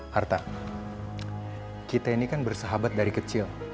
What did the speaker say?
harta kita ini kan bersahabat dari kecil